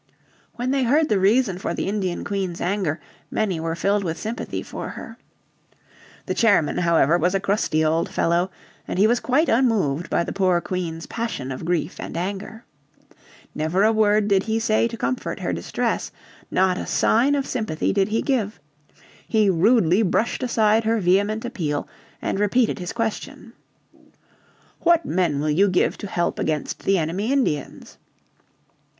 When they heard the reason for the Indian Queen's anger many were filled with sympathy for her. The chairman however was a crusty old fellow, and he was quite unmoved by the poor Queen's passion of grief and anger. Never a word did he say to comfort her distress, not a sign of sympathy did he give. He rudely brushed aside her vehement appeal, and repeated his question. "What men will you give to help against the enemy Indians?"